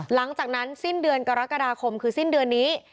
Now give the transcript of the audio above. หลังจากนั้นสิ้นเดือนกรกฎาคมคือสิ้นเดือนนี้